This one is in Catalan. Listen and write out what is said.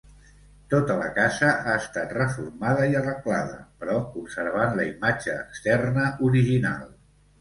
Tota la casa ha estat reformada i arreglada, però conservant la imatge externa original.